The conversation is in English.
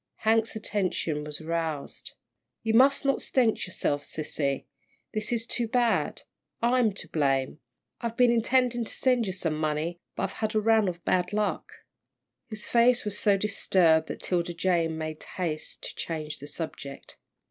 Hank's attention was aroused. "You must not stent yourself, sissy. This is too bad. I'm to blame. I've been intending to send you some money, but I've had a run of bad luck." His face was so disturbed that 'Tilda Jane made haste to change the subject.